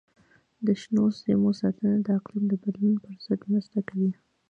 د شنو سیمو ساتنه د اقلیم د بدلون پر ضد مرسته کوي.